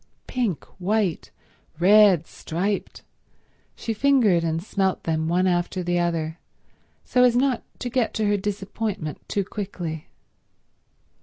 Pink, white, red, striped—she fingered and smelt them one after the other, so as not to get to her disappointment too quickly.